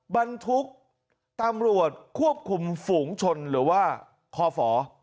บรรทุกตำรวจควบคุมฝูงชนหรือว่าคอฝ